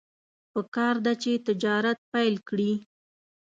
پکار ده چې تجارت پیل کړي.